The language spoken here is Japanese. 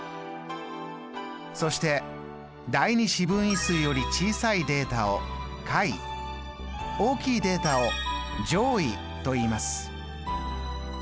そして第２四分位数より小さいデータを下位大きいデータを上位といいます。